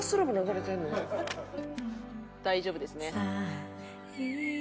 大丈夫ですね。